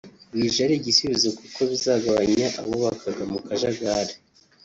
bije ari igisubizo kuko bizagabanya abubakaga mu kajagali